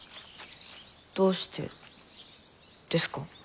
どうしてですか？